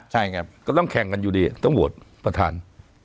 ใช่ไงก็ต้องแข่งกันอยู่ดีต้องโหวตประธาน